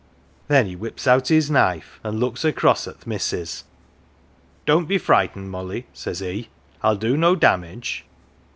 " Then he whips out his knife, an' looks across at th' missus. ' Don't be frightened, Molly,' says he, ' I'll do no damage.'